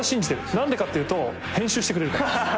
何でかっていうと編集してくれるから。